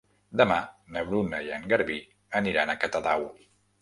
Demà na Bruna i en Garbí aniran a Catadau.